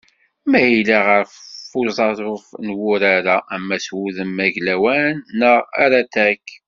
Ma yella ɣef uṣaḍuf n wurar-a, ama s wudem aglawan, neɣ aratak.